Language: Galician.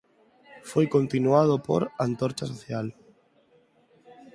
Foi continuado por "Antorcha Social".